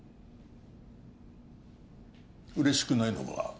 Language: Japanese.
嬉しくないのか？